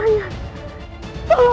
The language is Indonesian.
tolong ampuni aku